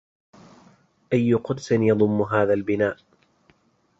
أي قدس يضم هذا البناء